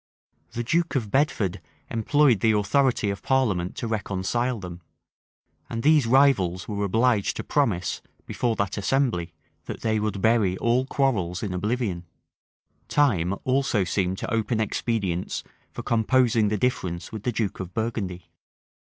{1425.} The duke of Bedford employed the authority of parliament to reconcile them; and these rivals were obliged to promise, before that assembly, that they would bury all quarrels in oblivion.[] Time also seemed to open expedients for composing the difference with the duke of Burgundy.